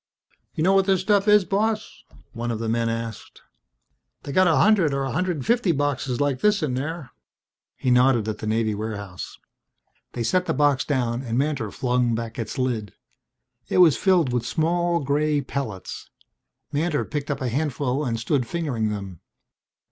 "You know what this stuff is, boss?" one of the men asked. "They got a hundred or a hundred fifty boxes like this in there." He nodded at the Navy warehouse. They set the box down and Mantor flung back its lid. It was filled with small grey pellets. Mantor picked up a handful and stood fingering them.